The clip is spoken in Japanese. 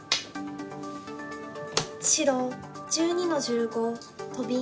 白１２の十五トビ。